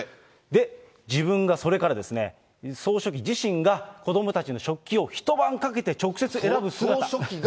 で、自分がそれから、総書記自身が子どもたちの食器を一晩かけて直接選ぶ姿。